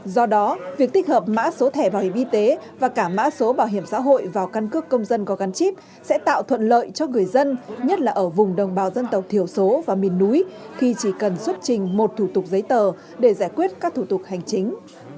do đó việc tích hợp mã số thẻ bảo hiểm y tế và cả mã số bảo hiểm xã hội vào căn cước công dân có gắn chip sẽ tạo thuận lợi cho người dân nhất là ở vùng đồng bào dân tộc thiểu số và miền núi khi chỉ cần xuất trình một thủ tục giấy tờ để giải quyết các thủ tục hành chính